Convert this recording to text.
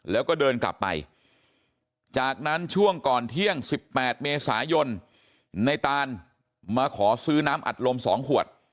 แล้วก็เดินกลับไปจากนั้นช่วงก่อนเที่ยง๑๘เมษายนในตานมาขอซื้อน้ำอัดลม๒ขวด